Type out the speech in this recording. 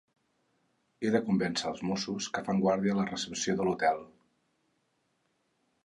He de convèncer els Mossos que fan guàrdia a la recepció de l'hotel.